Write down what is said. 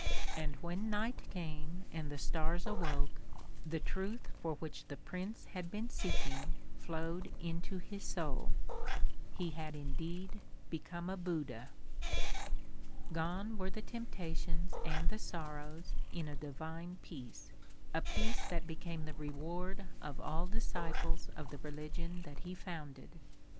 And when night came and the stars awoke, the truth for which the Prince had been seeking flowed into his soul. He had indeed become a Buddha. Gone were the temptations and the sorrows in a divine peace a peace that became the reward of all disciples of the religion that he founded.